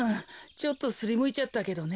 ちょっとすりむいちゃったけどね。